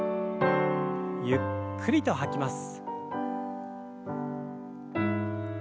ゆっくりと吐きます。